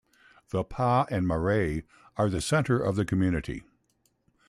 The Pa and Marae are the centre of the community.